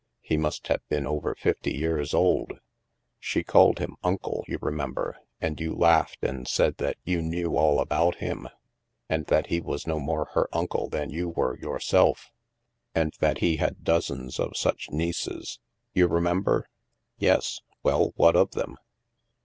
He must have been over fifty years old. She called him * uncle' you remember, and you laughed and said that you knew all about him, and that he was no more her uncle than were you yourself, and that he had dozens of such nieces. You remember?" Yes. Well, what of them?